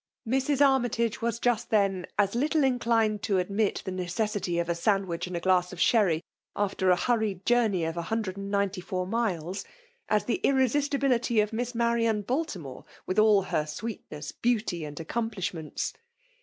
Mrs. Armytage was just then as little in clined to admit the necessity of a sandwich and a glass of sherry, after a hurried journey of a hundred and ninety four miles, as the irresisti HHty of Miss Marian Baltimore, with aU her sweetness, beauty, and accomplishments.